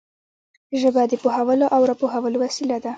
ژبه د پوهولو او را پوهولو وسیله ده